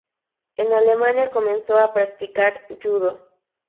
En Alemania comenzó a practicar yudo.